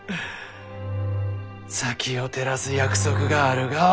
先を照らす約束があるがは。